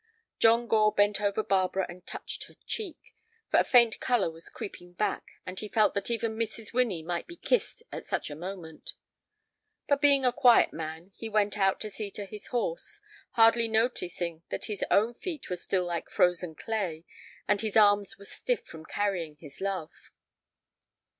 John Gore bent over Barbara and touched her cheek, for a faint color was creeping back, and he felt that even Mrs. Winnie might be kissed at such a moment. But being a quiet man, he went out to see to his horse, hardly noticing that his own feet were still like frozen clay and that his arms were stiff from carrying his love.